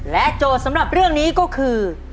โจทย์สำหรับเรื่องนี้ก็คือ